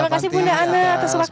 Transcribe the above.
terima kasih bunda ana atas waktunya